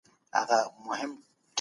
سهار لومړی راځي.